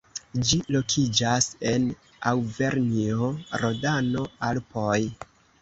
Ĝi lokiĝas en Aŭvernjo-Rodano-Alpoj.